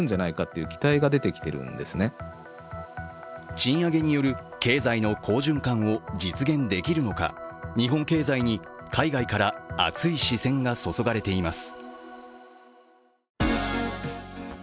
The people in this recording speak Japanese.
賃上げによる経済の好循環を実現できるのか、日本経済に海外から熱い視線が注がれています。